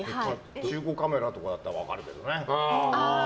中古カメラとかだったら分かるけどね。